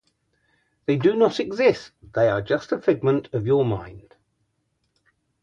They do not exist. They are a just a figment of your mind.